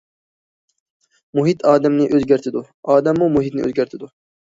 مۇھىت ئادەمنى ئۆزگەرتىدۇ، ئادەممۇ مۇھىتنى ئۆزگەرتىدۇ.